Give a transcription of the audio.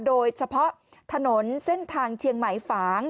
โดยเฉพาะถนนเส้นทางเชียงใหม่ฝาง